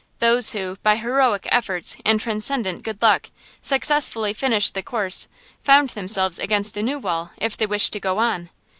Those who, by heroic efforts and transcendent good luck, successfully finished the course, found themselves against a new wall, if they wished to go on.